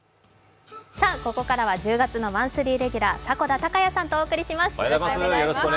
ここからは１０月のマンスリーレギュラー、迫田孝也さんとお送りします。